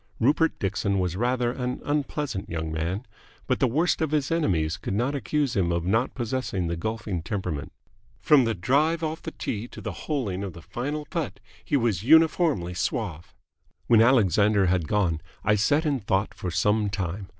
Rupert Dixon was rather an unpleasant young man, but the worst of his enemies could not accuse him of not possessing the golfing temperament. From the drive off the tee to the holing of the final putt he was uniformly suave. When Alexander had gone, I sat in thought for some time.